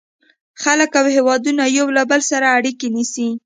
• خلک او هېوادونه یو له بل سره اړیکه نیسي.